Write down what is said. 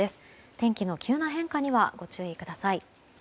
天気の急な変化にはご注意ください。